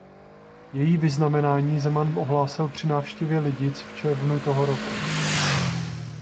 Její vyznamenání Zeman ohlásil při návštěvě Lidic v červnu toho roku.